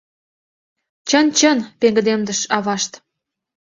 — Чын, чын, — пеҥгыдемдыш авашт.